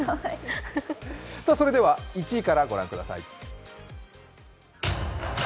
それでは１位からご覧ください。